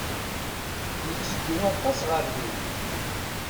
Netteddu aṭas ɣer din.